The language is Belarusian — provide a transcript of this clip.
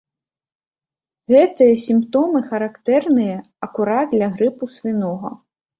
Гэтыя сімптомы характэрныя акурат для грыпу свінога.